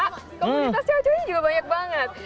komunitas cewek cewek ini juga banyak banget